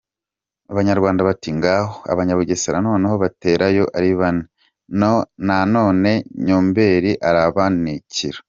Abanyarwanda bati "Ngaho" Abanyabugesera noneho baterayo ari bane; na none Nyombeli arabanikira.